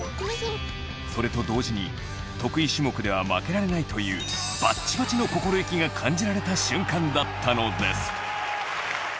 それと同時に得意種目では負けられないというバッチバチの心意気が感じられた瞬間だったのです。